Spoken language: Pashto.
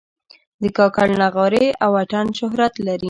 د کاکړ نغارې او اتڼ شهرت لري.